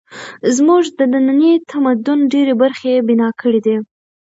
زموږ د ننني تمدن ډېرې برخې یې بنا کړې دي